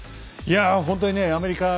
本当にアメリカ